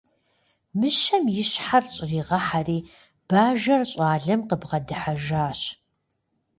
Мыщэм и щхьэр щӏригъэхьэри, бажэр щӏалэм къыбгъэдыхьэжащ.